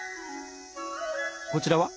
こちらは？